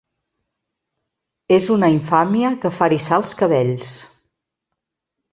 És una infàmia que fa eriçar els cabells!